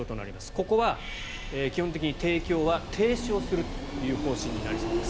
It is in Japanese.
ここは基本的に提供は停止するという方針になりそうです。